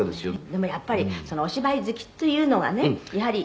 「でもやっぱりそのお芝居好きというのがねやはり」